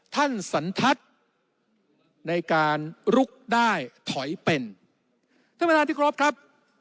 สันทัศน์ในการลุกได้ถอยเป็นท่านประธานที่ครบครับ